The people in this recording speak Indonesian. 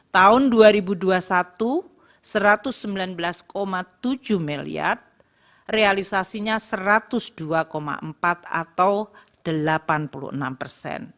tahun dua ribu dua puluh satu rp satu ratus sembilan belas tujuh miliar realisasinya rp satu ratus dua empat miliar